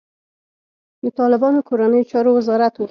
د طالبانو کورنیو چارو وزارت وايي،